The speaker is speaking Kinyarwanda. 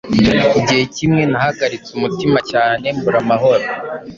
Igihe kimwe nahagaritse umutima cyane mbura amahoro